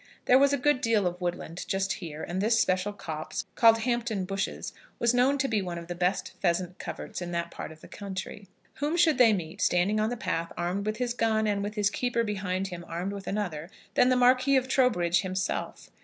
There was a good deal of woodland just here, and this special copse, called Hampton bushes, was known to be one of the best pheasant coverts in that part of the country. Whom should they meet, standing on the path, armed with his gun, and with his keeper behind him armed with another, than the Marquis of Trowbridge himself.